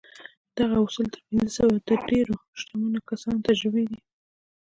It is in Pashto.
دغه اصول تر پينځه سوه د ډېرو شتمنو کسانو تجربې دي.